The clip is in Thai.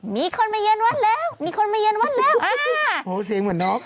มีคนมาเย็นวัดแล้วมีคนมาเย็นวัดแล้วอ่าโหเสียงเหมือนน็อก